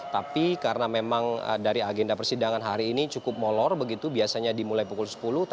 tapi karena memang dari agenda persidangan hari ini cukup molor begitu biasanya dimulai pukul sepuluh